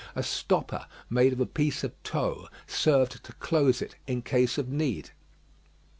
A stopper made of a piece of tow served to close it in case of need.